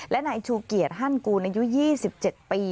และนายชูเกียจฮันกูลอายุ๒๗ปี